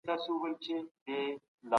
هر یو پر خپله